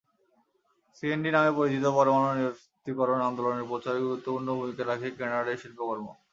CND নামে পরিচিত পরমাণু নিরস্ত্রীকরণ আন্দোলনের প্রচারে গুরুত্বপূর্ণ ভূমিকা রাখে কেনার্ডের শিল্পকর্ম।